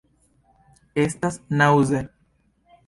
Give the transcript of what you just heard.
Estas naŭze.